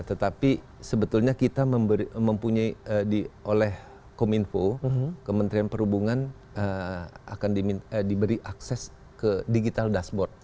tetapi sebetulnya kita mempunyai oleh kominfo kementerian perhubungan akan diberi akses ke digital dashboard